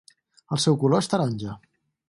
El seu color és taronja.